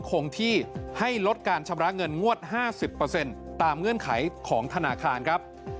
คงที่ให้ลดการชำระเงินงวด๕๐ตามเงื่อนไขของธนาคารครับ